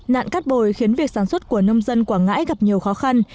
nạn cát bồi khiến việc sản xuất của nông dân quảng ngãi gặp nhiều khó khăn